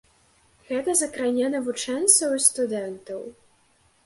Гэта закране навучэнцаў і студэнтаў.